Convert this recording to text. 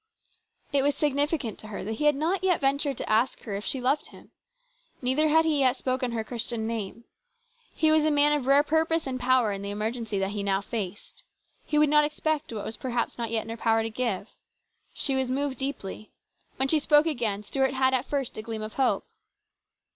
It was significant to her that he had not ventured to ask her if she loved him. Neither had he yet spoken her Christian name. He was a man of rare purpose and power in the emer gency that he now faced. He would not expect what was perhaps not yet in her power to give. She was moved deeply. When she spoke again, Stuart had at first a gleam of hope.